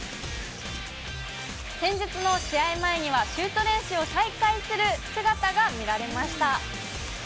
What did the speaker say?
先日の試合前にはシュート練習を再開する姿が見られました。